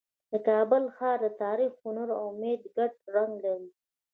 د کابل ښار د تاریخ، هنر او امید ګډ رنګ لري.